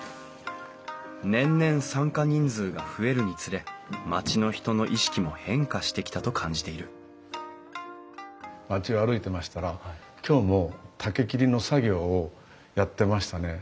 年々参加人数が増えるにつれ町の人の意識も変化してきたと感じている町を歩いてましたら今日も竹切りの作業をやってましたね。